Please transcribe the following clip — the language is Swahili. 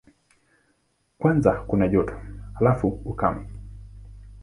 Kwanza kuna joto, halafu ukame.